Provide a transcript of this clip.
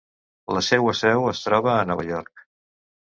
La seua seu es troba a Nova York.